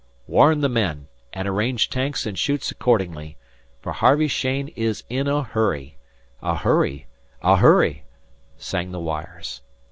"Warn the men, and arrange tanks and chutes accordingly; for Harvey Cheyne is in a hurry, a hurry, a hurry," sang the wires.